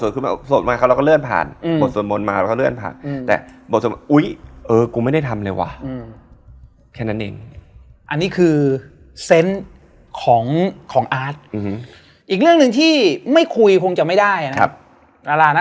ก็คือรู้แล้วว่า